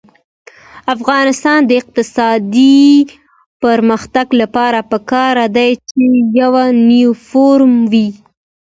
د افغانستان د اقتصادي پرمختګ لپاره پکار ده چې یونیفورم وي.